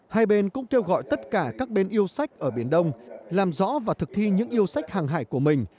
hai bên cũng kêu gọi tất cả các bên yêu sách ở biển đông làm rõ và thực thi những yêu sách hàng hải của mình